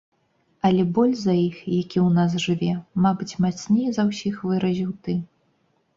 Але боль за іх, які ў нас жыве, мабыць, мацней за ўсіх выразіў ты.